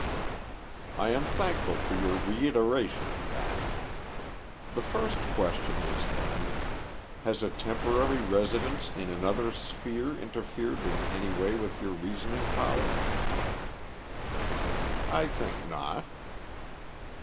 "I am thankful for your reiteration of that. The first question is then: has a temporary residence in another sphere interfered in any way with your reasoning powers?" "I think not."